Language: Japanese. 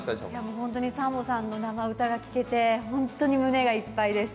本当にサンボさんの生歌が聴けて胸がいっぱいです。